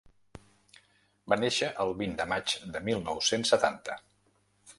Va néixer el vint de maig de mil nou-cents setanta.